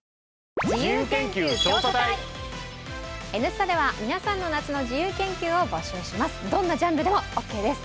「Ｎスタ」では皆さんの夏の自由研究を募集します。